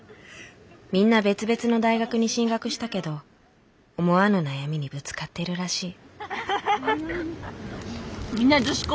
みんな別々の大学に進学したけど思わぬ悩みにぶつかっているらしい。